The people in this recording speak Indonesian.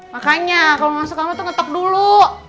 makanya kalau masuk kamu tuh ngetok dulu